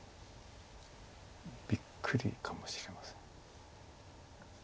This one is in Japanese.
びっくりかもしれません。